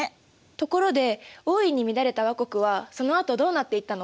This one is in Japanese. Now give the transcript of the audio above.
ところで大いに乱れた倭国はそのあとどうなっていったの？